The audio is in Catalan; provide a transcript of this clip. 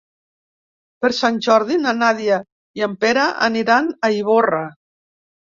Per Sant Jordi na Nàdia i en Pere aniran a Ivorra.